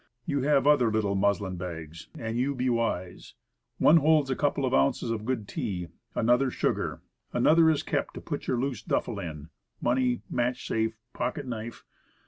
You have other little mus lin bags an' you be wise. One holds a couple of ounces of good tea; another, sugar; another is kept to put your loose duffle in; money, match safe, pocket knife.